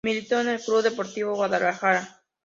Militó en el Club Deportivo Guadalajara.